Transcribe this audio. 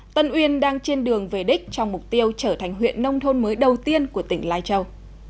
tân uyên đang trên đường về đích trong mục tiêu trở thành huyện nông thôn mới đầu tiên của tỉnh lai châu